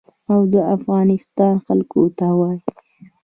او د افغانستان خلکو ته وايي.